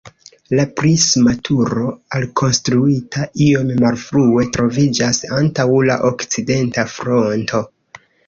La prisma turo, alkonstruita iom malfrue, troviĝas antaŭ la okcidenta fronto.